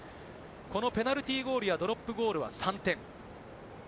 このペナルティーゴールやドロップゴールは３点。